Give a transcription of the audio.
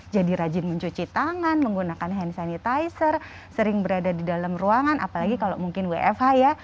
jadi rajin mencuci tangan menggunakan hand sanitizer sering berada di dalam ruangan apalagi kalau mungkin wfh ya